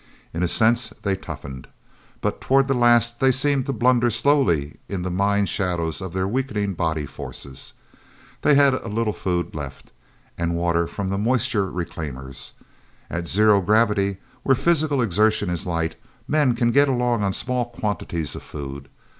In a sense, they toughened. But toward the last they seemed to blunder slowly in the mind shadows of their weakening body forces. They had a little food left, and water from the moisture reclaimers. At zero gravity, where physical exertion is slight, men can get along on small quantities of food.